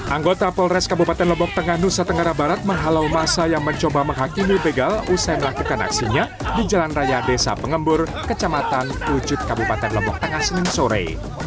anggota polres kabupaten lombok tengah nusa tenggara barat menghalau masa yang mencoba menghakimi begal usai melakukan aksinya di jalan raya desa pengembur kecamatan wujud kabupaten lombok tengah senin sore